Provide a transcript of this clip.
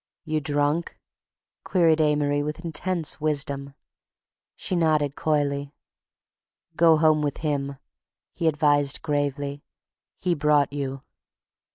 "You drunk?" queried Amory with intense wisdom. She nodded coyly. "Go home with him," he advised gravely. "He brought you."